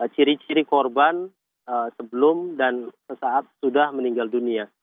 ciri ciri korban sebelum dan sesaat sudah meninggal dunia